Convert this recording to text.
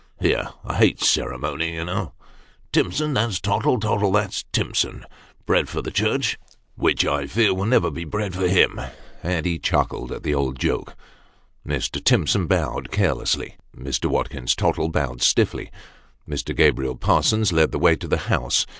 " Here, I hate ceremony, you know ! Timson, that's Tottle Tottle, that's Timson ; bred for the church, which I fear will never be bread for him ;" and he chuckled at the old joke. Mr. Timson bowed care lessly. Mr. Watkins Tottle bowed stiffly. Mr. Gabriel Parsons led the way to the house.